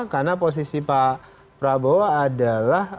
karena posisi pak prabowo adalah